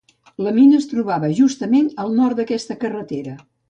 La mina es trobava justament al nord d'aquesta carretera.